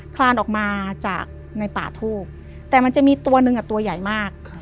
คลานออกมาจากในป่าทูบแต่มันจะมีตัวหนึ่งตัวใหญ่มาก